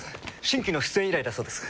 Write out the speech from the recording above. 新規の出演依頼だそうです。